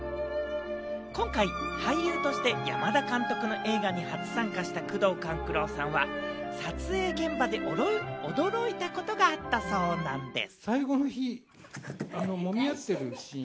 今回、俳優として山田監督の映画に初参加した宮藤官九郎さんは撮影現場で驚いたことがあったそうなんでぃす。